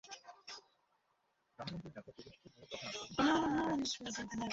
গ্রামগঞ্জে যাত্রা প্রদর্শিত হওয়ার কথা আজকাল খুব একটা শোনাও যায় না।